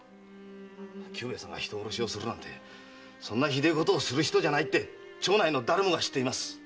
久兵衛さんが人殺しするなんてそんなひでえことをする人じゃないって町内の誰もが知っています。